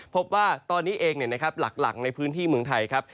พบว่าตอนนี้เองหลักในพื้นที่เมืองไทยครับ